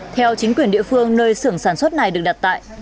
theo chính quyền địa phương nơi xưởng sản xuất này được đặt tại